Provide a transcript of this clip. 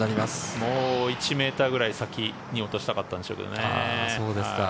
もう１ｍくらい先に落としたかったのでしょうね。